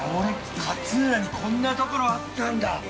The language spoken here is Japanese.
◆勝浦にこんなところ、あったんだ。